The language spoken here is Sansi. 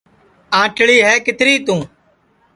ٕآنٚٹِیلی ہے کِتری تُوں